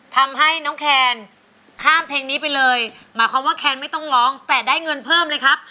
ทำให้น้องแคนข้ามเพลงนี้ไปเลยหมายความว่าแคนไม่ต้องร้องแต่ได้เงินเพิ่มเลยครับ